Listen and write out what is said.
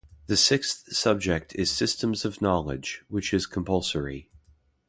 The sixth subject is Systems of Knowledge, which is compulsory.